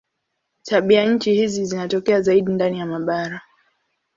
Tabianchi hizi zinatokea zaidi ndani ya mabara.